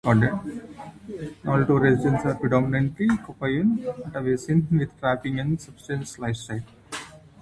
Nulato residents are predominantly Koyukon Athabascan with trapping and subsistence lifestyle.